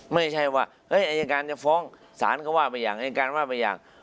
ไม่ใช่ว่าอายการจะฟ้องศาลก็ว่าไปอย่างอายการว่าไปอย่าง